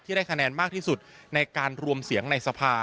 ได้คะแนนมากที่สุดในการรวมเสียงในสภา